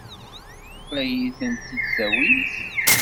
Ad iyi-tent-id-tawimt?